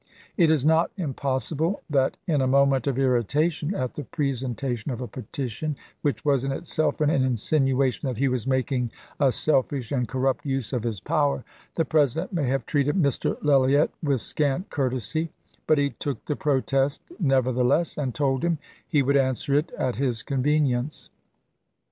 It is not im possible that, in a moment of irritation at the presentation of a petition which was in itself an insinuation that he was making a selfish and cor rupt use of his power, the President may have treated Mr. Lellyett with scant courtesy; but he took the protest, nevertheless, and told him he would answer it at his convenience.